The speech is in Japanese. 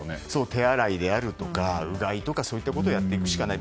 手洗いであるとか、うがいとかそういったことをやるしかない。